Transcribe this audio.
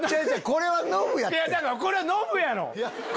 これはノブやろ。